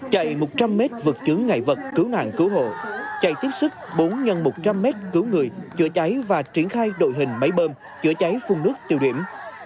chạy một trăm linh m vật chứng ngại vật cứu nạn cứu hộ chạy tiếp sức bốn x một trăm linh m cứu người chữa cháy và triển khai đội hình máy bơm chữa cháy phung nước tiêu điểm